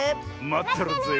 まってるぜ。